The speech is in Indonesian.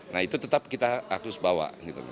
nah itu tetap kita harus bawa